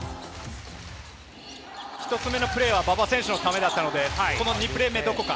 １つ目のプレーは馬場選手のためだったので、この２プレー目どこか。